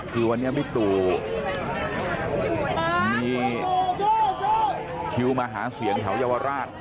คือวันนี้บิ๊กตู่มีคิวมาหาเสียงแถวเยาวราช